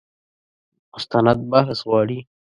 مستند بحث غواړي.